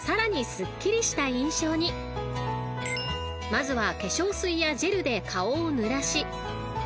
［まずは］